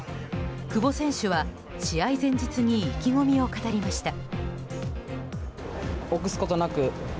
久保選手は試合前日に意気込みを語りました。